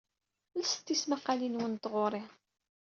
Lset tismaqqalin-nwen n tɣuri.